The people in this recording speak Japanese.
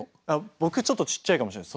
僕ちょっとちっちゃいかもしれないです。